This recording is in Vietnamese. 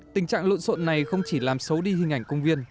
tình trạng lộn xộn này không chỉ làm xấu đi hình ảnh công viên